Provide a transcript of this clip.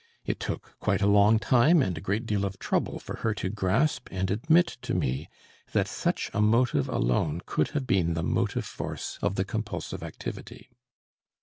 It took quite a long time and a great deal of trouble for her to grasp and admit to me that such a motive alone could have been the motive force of the compulsive activity.